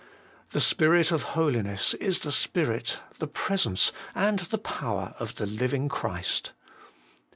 The Spirit of holiness is the Spirit, the Presence, and the Power of the Living Christ.